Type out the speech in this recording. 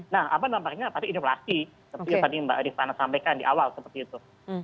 nah apa nampaknya pasti ini berlaku seperti yang tadi mbak adi fadzana sampaikan di awal seperti itu